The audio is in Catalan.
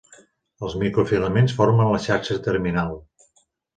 Els microfilaments formen la xarxa terminal.